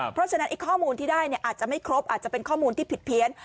เพราะฉะนั้นข้อมูลที่ได้อาจจะไม่ครบอาจจะเป็นข้อมูลที่ผิดเพี้ยน